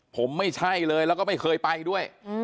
ผมไม่ใช่เลยแล้วก็ไม่เคยไปด้วย